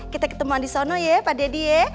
kita ketemu di sono ya pak deddy ya